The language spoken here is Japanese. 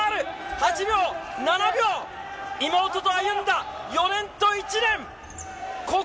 ８秒、７秒、妹と歩んだ４年と１年。